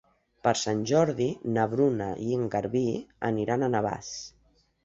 Per Sant Jordi na Bruna i en Garbí aniran a Navàs.